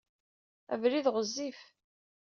Abrid ɣezzif.